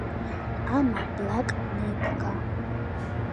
ამა ბლაკ ნიგგა